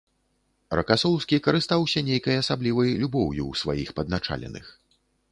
Ракасоўскі карыстаўся нейкай асаблівай любоўю ў сваіх падначаленых.